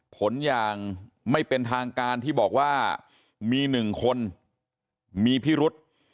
ผลอย่างไม่เป็นทางการที่บอกว่ามี๑คนมีพิรุษ